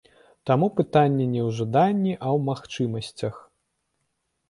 Таму пытанне не ў жаданні, а ў магчымасцях.